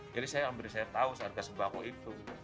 jadi saya hampir saya tahu harga sembako itu